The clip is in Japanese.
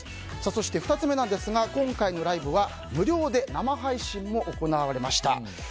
そして、２つ目ですが今回のライブは無料で生配信も行われました。